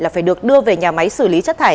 là phải được đưa về nhà máy xử lý chất thải